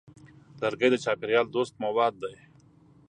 لرګی د چاپېریال دوست مواد دی.